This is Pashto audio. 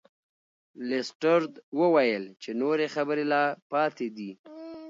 لیسټرډ وویل چې نورې خبرې لا پاتې دي.